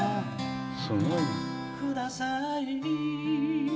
すごい。